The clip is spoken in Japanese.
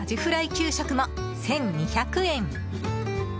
給食も１２００円。